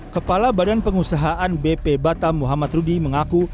kepala badan pengusahaan bp batam muhammad rudy mengaku